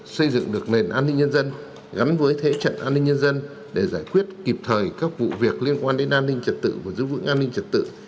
xây dựng được nền an ninh nhân dân gắn với thế trận an ninh nhân dân để giải quyết kịp thời các vụ việc liên quan đến an ninh trật tự và giữ vững an ninh trật tự